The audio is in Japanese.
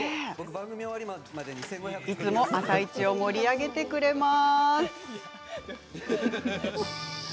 いつも「あさイチ」を盛り上げてくれます。